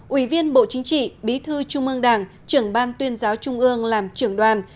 ủy viên bộ chính trị bí thư trung ương đảng trưởng ban tuyên giáo trung ương làm trưởng đoàn